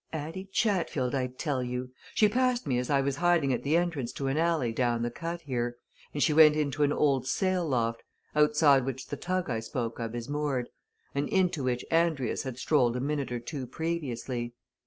Addie Chatfield, I tell you! She passed me as I was hiding at the entrance to an alley down the Cut here, and she went into an old sail loft, outside which the tug I spoke of is moored, and into which Andrius had strolled a minute or two previously.